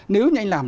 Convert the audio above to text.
nếu như anh làm